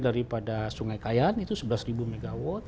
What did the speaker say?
daripada sungai kayan itu sebelas mw